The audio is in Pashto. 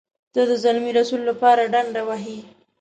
ته د زلمي رسول لپاره ډنډه وهې.